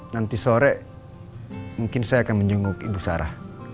nanti sore mungkin saya akan menjenguk ibu sarah